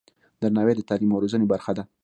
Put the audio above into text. درناوی د تعلیم او روزنې برخه ده.